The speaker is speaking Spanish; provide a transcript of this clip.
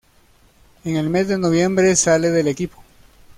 En el mes de noviembre sale del equipo.